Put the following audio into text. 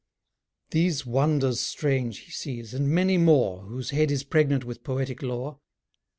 These wonders strange be sees, and many more, Whose head is pregnant with poetic lore.